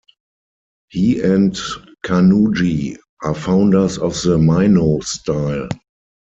He and Kaneuji are founders of the Mino style.